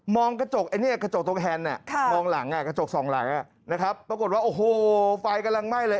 มองกระจกตรงแฮนด์มองกระจกส่องหลังปรากฏว่าโอ้โหไฟกำลังไหม้เลย